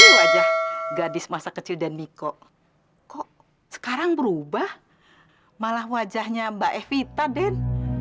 itu wajah gadis masa kecil dan miko kok sekarang berubah malah wajahnya mbak evita den